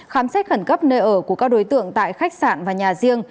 khám xét khẩn cấp nơi ở của các đối tượng tại khách sạn và nhà riêng